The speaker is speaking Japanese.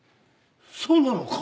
そうなのか？